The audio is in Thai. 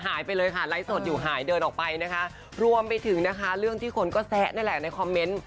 หายไปเลยค่ะไลฟ์สดอยู่หายเดินออกไปนะคะรวมไปถึงนะคะเรื่องที่คนก็แซะนั่นแหละในคอมเมนต์